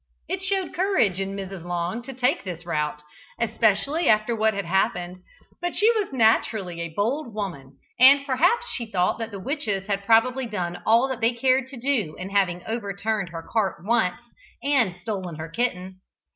It showed courage in Mrs. Long to take this route, especially after what had happened, but she was naturally a bold woman, and perhaps she thought that the witches had probably done all that they cared to do in having overturned her cart once, and stolen her kitten.